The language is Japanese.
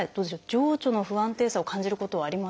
情緒の不安定さを感じることはありますか？